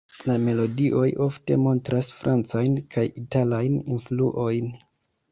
La melodioj ofte montras Francajn kaj Italajn influojn.